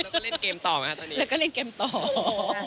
ก็เล่นเกมต่อไหมตอนนี้